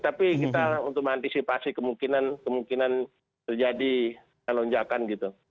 tapi kita untuk mengantisipasi kemungkinan kemungkinan terjadi lonjakan gitu